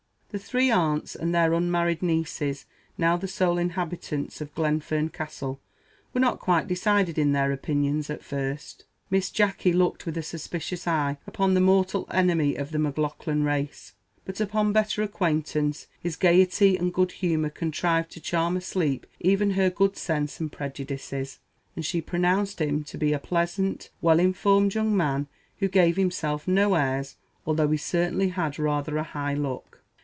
The three aunts and their unmarried nieces, now the sole inhabitants of Glenfern Castle, were not quite decided in their opinions at first. Miss Jacky looked with a suspicious eye upon the mortal enemy of the Maclaughlan race; but, upon better acquaintance, his gaiety and good humour contrived to charm asleep even her good sense and prejudices, and she pronounced him to be a pleasant, well informed young man, who gave himself no airs, although he certainly had rather a high look.